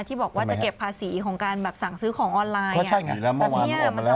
ที่บอกว่าจะเก็บภาษีของการแบบสั่งซื้อของออนไลน์